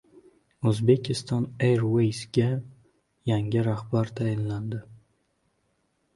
«Uzbekistan Airways»ga yangi rahbar tayinlandi